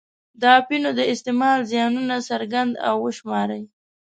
د اپینو د استعمال زیانونه څرګند او وشماري.